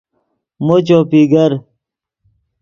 مو چوپی گر